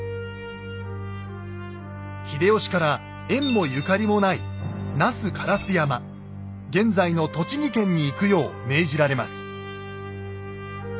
秀吉から縁もゆかりもない那須烏山現在の栃木県に行くよう命じられます。